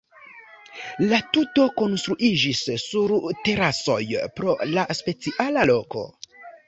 La tuto konstruiĝis sur terasoj, pro la speciala loko.